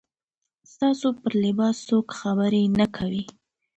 ستاسو پر لباس څوک خبره نه کوي.